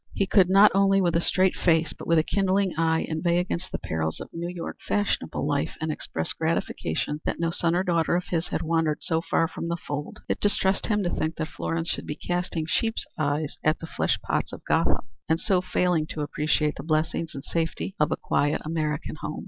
He could not only with a straight face, but with a kindling eye inveigh against the perils of New York fashionable life, and express gratification that no son or daughter of his had wandered so far from the fold. It distressed him to think that Florence should be casting sheep's eyes at the flesh pots of Gotham, and so failing to appreciate the blessings and safety of a quiet American home.